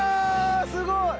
すごい。